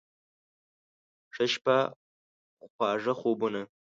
ښه شپه، خواږه خوبونه